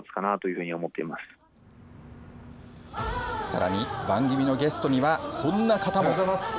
さらに番組のゲストにはこんな方も。